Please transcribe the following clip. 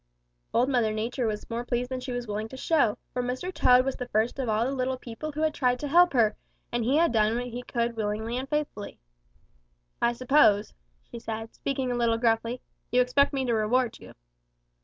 "Old Mother Nature was more pleased than she was willing to show, for Mr. Toad was the first of all the little people who had tried to help her, and he had done what he could willingly and faithfully. "'I suppose,' said she, speaking a little gruffly, 'you expect me to reward you.'